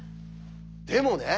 でもね